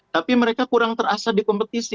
tapi mereka kurang terasa di kompetisi